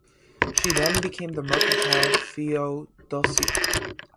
She then became the mercantile "Theodosia".